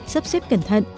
sắp xếp cẩn thận